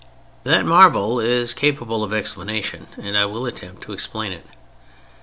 That marvel is capable of explanation and I will attempt to explain it.